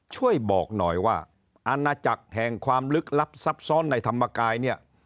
ช่วยบอกหน่อยว่าอาณาจักรแห่งความลึกลับซับซ้อนในธรรมกายเนี่ย